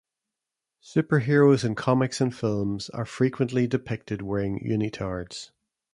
Superheroes in comics and films are frequently depicted wearing unitards.